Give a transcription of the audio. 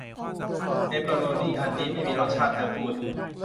เปเปอโรนี่อันนี้ไม่มีรสชาติเธอพูด